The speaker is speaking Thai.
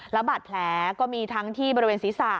แล้วบาดแผลก็มีทั้งที่บริเวณศีรษะ